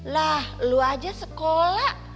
lah lu aja sekolah